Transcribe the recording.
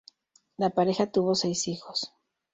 La pareja tuvo seis hijos.